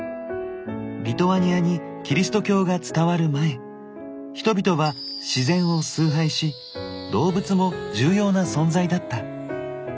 リトアニアにキリスト教が伝わる前人々は自然を崇拝し動物も重要な存在だった。